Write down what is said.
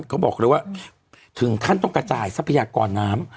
เขาบอกเลยว่าถึงขั้นต้องกระจายทรัพยากรน้ำ